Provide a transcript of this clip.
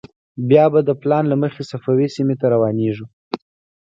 بیا به د پلان له مخې صفوي سیمې ته روانېږو.